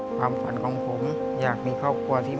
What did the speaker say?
ความฝันของผมอยากมีครอบครัวที่มีชีวิตที่ดี